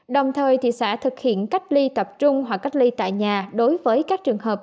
đồng thời thị xã thực hiện cách ly tập trung hoặc cách ly tại nhà đối với các trường hợp